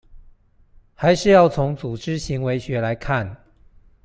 還是要從「組織行為學」來看